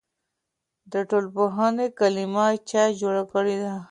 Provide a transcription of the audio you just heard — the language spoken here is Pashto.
د ټولنپوهنې کلمه چا جوړه کړه؟